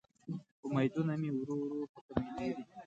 امیدونه مې ورو ورو په کمیدو دې